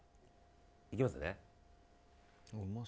いきますね。